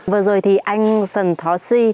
vừa rồi thì anh sần thó si